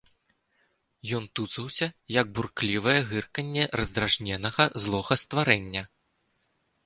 Ён тузаўся, як бурклівае гырканне раздражненага злога стварэння.